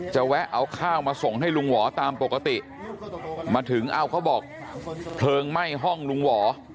แวะเอาข้าวมาส่งให้ลุงหวอตามปกติมาถึงเอ้าเขาบอกเพลิงไหม้ห้องลุงหวอ